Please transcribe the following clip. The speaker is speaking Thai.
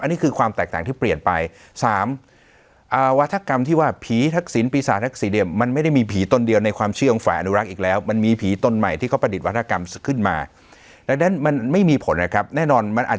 อันนี้คือความแตกต่างที่เปลี่ยนไปสามอ่าอววาทักกรรมที่ว่าผีทักษิณ